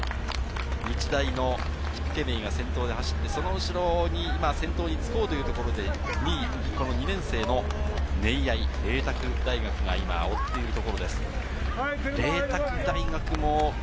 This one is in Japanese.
日大のキップケメイが先頭で走って、その後ろに、今先頭につこうというところで、２位、２年生のネイヤイ、麗澤大学が今追っているところです。